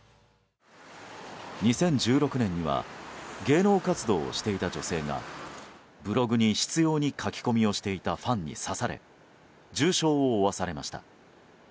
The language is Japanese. ２０１６年には芸能活動をしていた女性がブログに執拗に書き込みをしていたファンに刺され重傷を負わされました。